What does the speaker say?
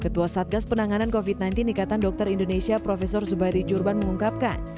ketua satgas penanganan covid sembilan belas ikatan dokter indonesia prof zubairi jurban mengungkapkan